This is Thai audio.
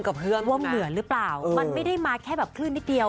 กับเพื่อนว่าเหมือนหรือเปล่ามันไม่ได้มาแค่แบบคลื่นนิดเดียว